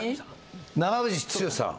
長渕剛さん。